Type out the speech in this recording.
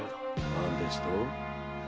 何ですと？